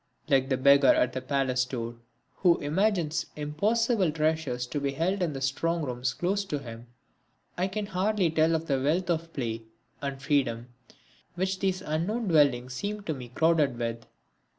Like the beggar at the palace door who imagines impossible treasures to be held in the strong rooms closed to him, I can hardly tell of the wealth of play and freedom which these unknown dwellings seem to me crowded with.